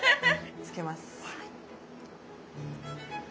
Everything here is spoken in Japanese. つけます。